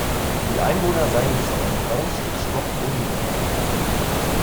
Die Einwohner seien bis auf ein blaues Stück Stoff unbekleidet.